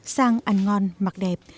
sang ăn ngon mặc đẹp